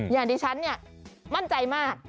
อย่างที่ฉันเนี่ยมั่นใจมาก